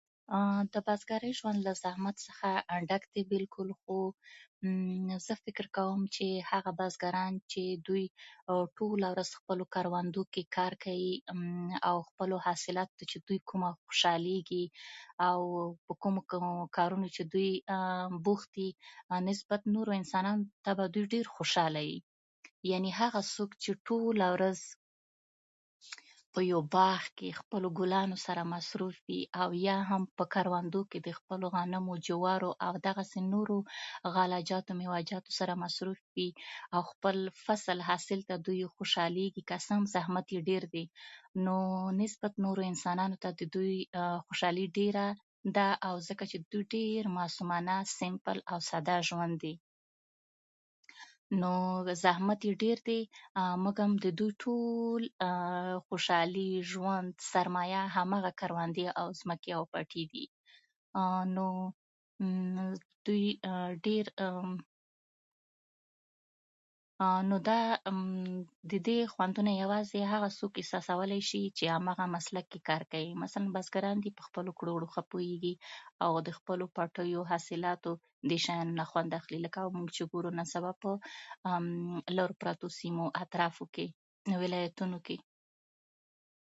د بزګرۍ ژوند له زحمت څخه ډک دی، بلکل. خو زه فکر کوم چې هغه بزګران چې دوی ټوله ورځ په خپلو کروندو کې کار کوي، او خپلو حاصلاتو ته چې دوی کومه خوشالېږي، او په کومو کمو کارونو چې دوی بوخت دي، نسبت نورو انسانانو ته به ډېر خوشاله وي. یعنې هغه څوک چې ټوله ورځ په باغ کې، ټوله ورځ په یو باغ کې له خپلو ګلانو سره مصروف وي، او یا هم په کروندو کې د خپلو غنمو، جوارو، غله جاتو او میوه جاتو سره مصروف دي، او خپل فصل حاصل ته دوی خوشالېږي، که څه هم زحمت یې ډېر دی، نو نسبت نورو انسانانو ته د دوی خوشالي ډېره ده. ځکه چې د دوی معصومانه سمپل ژوند دی. نو زحمت یې ډېر دی، مګر د دوی ټول خوشالي، ژوند، سرمایه هماغه کروندې، ځمکې او پټي دي. نو دوی ډېر د دې خوندونه هغه څوک احساسولی شي چې هماغه مسلک کې کار کوي. مثلا بزګران دي، دوی په خپلو کړو وړو ښه پوهېږي، او د خپلو پټيو د حاصلاتو د دې شیانو نه خوند اخلي، لکه موږ چې ګورو نن سبا په لرو پرتو سیمو، اطرافو کې، ولایتونو کې.